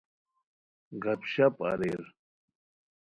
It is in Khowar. گپ شب اریر